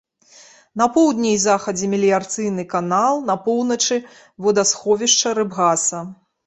На поўдні і захадзе меліярацыйны канал, на поўначы вадасховішча рыбгаса.